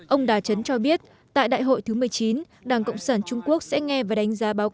ông đà trấn cho biết tại đại hội thứ một mươi chín đảng cộng sản trung quốc sẽ nghe và đánh giá